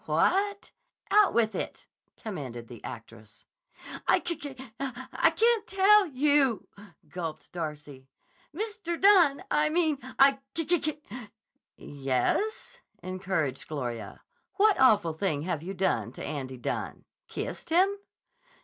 "What? Out with it," commanded the actress. "I ki ki ki—I can't tell you," gulped Darcy. "Mr. Dunne—I mean, I ki ki ki—" "Yes," encouraged Gloria. "What awful thing have you done to Andy Dunne? Kissed him?"